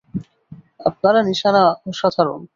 আপনার নিশানা অসাধারণ!